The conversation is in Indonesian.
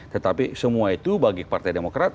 tetapi semua itu bagi partai demokrat